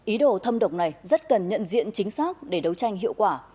ý đồ thâm độc này rất cần nhận diện chính xác để đấu tranh hiệu quả